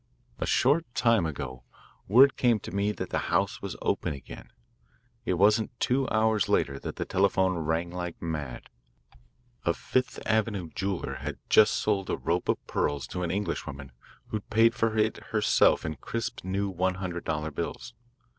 "A short time ago, word came to me that the house was open again. It wasn't two hours later that the telephone rang like mad. A Fifth Avenue jeweller had just sold a rope of pearls to an Englishwoman who paid for it herself in crisp new one hundred dollar bills.